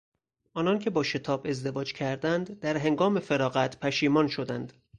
آنان که با شتاب ازدواج کردند در هنگام فراغت پشیمان شدند.